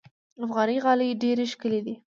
افغاني غالۍ ډېرې ښکلې دي.